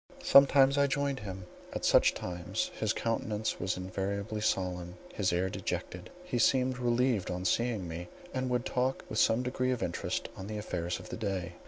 Sometimes I joined him; at such times his countenance was invariably solemn, his air dejected. He seemed relieved on seeing me, and would talk with some degree of interest on the affairs of the day.